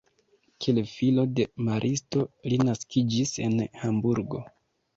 Kiel filo de maristo li naskiĝis en Hamburgo.